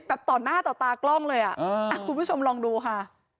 ต่อหน้าต่อตากล้องเลยอ่ะคุณผู้ชมลองดูค่ะ